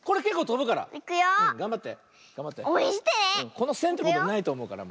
このせんってことないとおもうから。